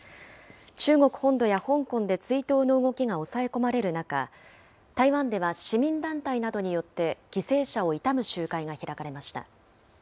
中国本土や香港で追悼の動きが抑え込まれる中、台湾では市民団体などによって、犠牲者を悼む集会が開かれました。